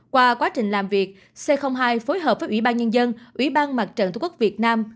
qua quá trình làm việc c hai phối hợp với ủy ban nhân dân ủy ban mặt trận thu quốc việt nam